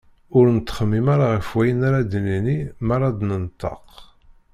Ur nettxemmim ara ɣef wayen ara d-nini mi ara d-nenṭeq.